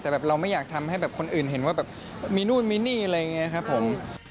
แต่แบบเราไม่อยากทำให้แบบคนอื่นเห็นว่าแบบมีนู่นมีนี่อะไรอย่างนี้ครับผม